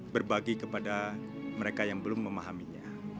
berbagi kepada mereka yang belum memahaminya